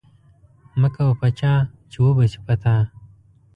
مکوه په چا چی و به سی په تا